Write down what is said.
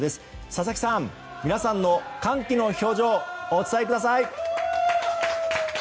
佐々木さん、皆さんの歓喜の表情をお伝えください。